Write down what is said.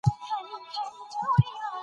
په پوهه کې سيال شو.